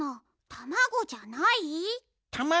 たまごじゃない？